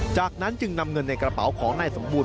จากนั้นจึงนำเงินในกระเป๋าของนายสมบูรณ